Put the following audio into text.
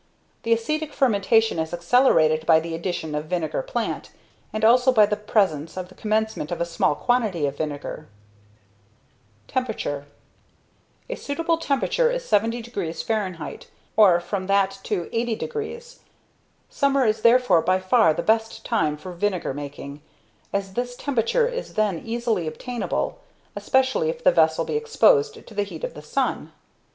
The acetic fermentation is accelerated by the addition of vinegar plant, and also by the presence from the commencement of a small quantity of vinegar. [Sidenote: Temperature.] A suitable temperature is 70 deg. Fah., or from that to 80 deg. Summer is therefore by far the best time for vinegar making, as this temperature is then easily obtainable, especially if the vessel be exposed to the heat of the sun.